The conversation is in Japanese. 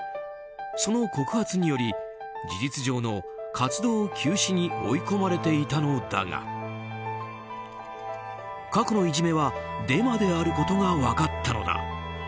その告発により事実上の活動休止に追い込まれていたのだが過去のいじめはデマであることが分かったのだ。